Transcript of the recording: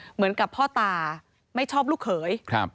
เหมือนกับพ่อตาไม่ชอบลูกเขย